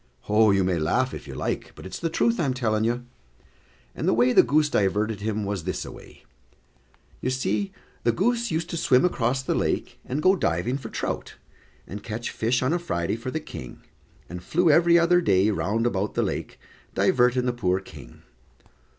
Oh, you may laugh, if you like, but it's truth I'm telling you; and the way the goose diverted him was this a way: You see, the goose used to swim across the lake, and go diving for trout, and catch fish on a Friday for the King, and flew every other day round about the lake, diverting the poor King.